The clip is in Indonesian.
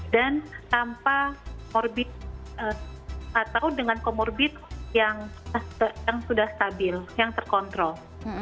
dan tanpa morbid atau dengan comorbid yang sudah stabil yang terkontrol